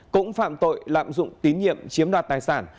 cũng phạm tội lạm dụng tín nhiệm chiếm đoạt tài sản